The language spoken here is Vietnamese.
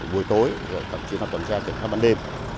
buổi tối tập trung tập tẩm xe tập tẩm đêm